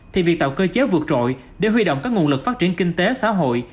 thì việc tạo cơ chế vượt trội để huy động các nguồn lực phát triển kinh tế xã hội